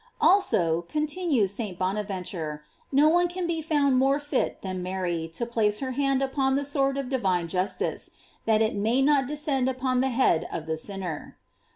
J Also, continues St. Bonaventure, no one can be found more fit than Mary to place her hand upon the sword of divine justice, that it may not descend upon the head of the sinner.!"